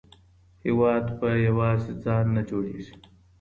هېواد په یوازې ځان نه جوړیږي.